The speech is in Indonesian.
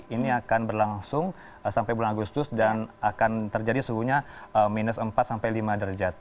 ini akan berlangsung sampai bulan agustus dan akan terjadi suhunya minus empat sampai lima derajat